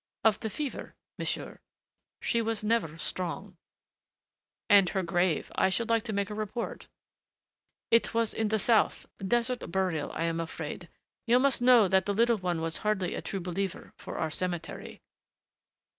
"Of the fever, monsieur.... She was never strong." "And her grave... I should like to make a report." "It was in the south ... desert burial, I am afraid. You must know that the little one was hardly a true believer for our cemetery."